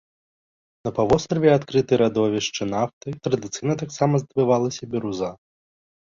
На паўвостраве адкрыты радовішчы нафты, традыцыйна таксама здабывалася біруза.